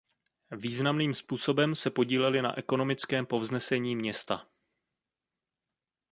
Významným způsobem se podíleli na ekonomickém povznesení města.